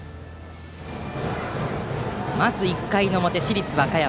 まず１回の表、市立和歌山。